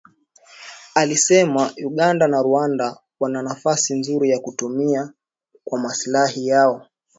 alisema Uganda na Rwanda wana nafasi nzuri ya kutumia kwa maslahi yao